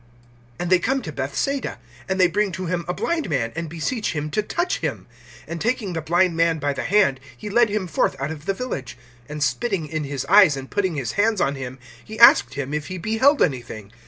(22)And they come to Bethsaida. And they bring to him a blind man, and beseech him to touch him. (23)And taking the blind man by the hand, he led him forth out of the village; and spitting in his eyes, and putting his hands on him, he asked him if he beheld anything.